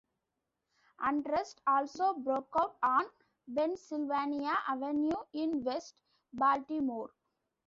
Unrest also broke out on Pennsylvania Avenue in West Baltimore.